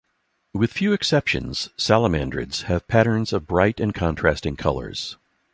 With a few exceptions, salamandrids have patterns of bright and contrasting colours.